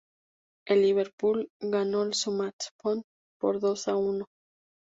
El Liverpool ganó al Southampton por dos a uno.